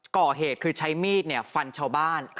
ก่อเหตุคือใช้มีดฟันชาวบ้าน